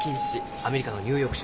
アメリカのニューヨーク州。